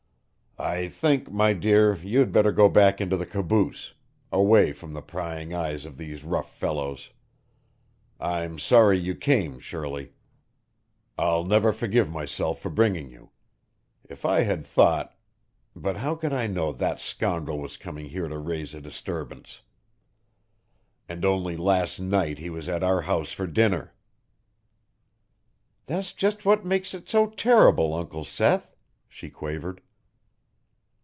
"I think, my dear, you had better go back into the caboose, away from the prying eyes of these rough fellows. I'm sorry you came, Shirley. I'll never forgive myself for bringing you. If I had thought but how could I know that scoundrel was coming here to raise a disturbance? And only last night he was at our house for dinner!" "That's just what makes it so terrible, Uncle Seth," she quavered.